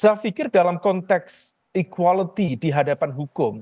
saya pikir dalam konteks equality di hadapan hukum